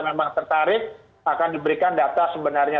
memang tertarik akan diberikan data sebenarnya